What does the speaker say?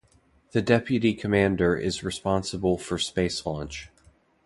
The deputy commander is responsible for space launch.